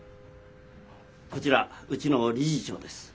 こちらうちの理事長です。